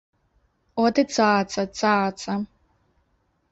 О, ты цаца, цаца!